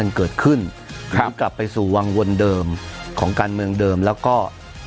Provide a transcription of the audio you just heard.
มันเกิดขึ้นครับกลับไปสู่วังวนเดิมของการเมืองเดิมแล้วก็